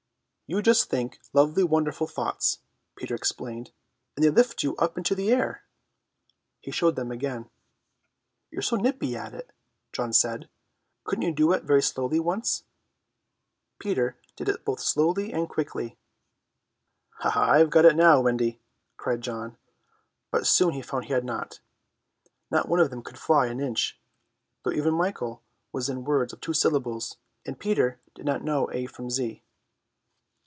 "You just think lovely wonderful thoughts," Peter explained, "and they lift you up in the air." He showed them again. "You're so nippy at it," John said, "couldn't you do it very slowly once?" Peter did it both slowly and quickly. "I've got it now, Wendy!" cried John, but soon he found he had not. Not one of them could fly an inch, though even Michael was in words of two syllables, and Peter did not know A from Z.